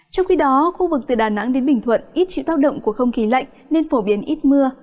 trong khi đó khu vực từ đà nẵng đến bình thuận ít chịu tác động của không khí lạnh nên phổ biến ít mưa